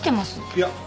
いや。